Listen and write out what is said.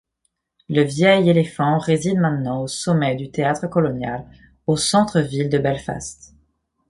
Le vieil éléphant réside maintenant au sommet du Théâtre Colonial au centre-ville de Belfast.